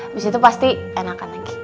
habis itu pasti enakan lagi